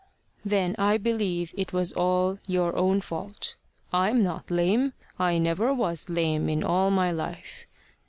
"Then I believe it was all your own fault. I'm not lame. I never was lame in all my life.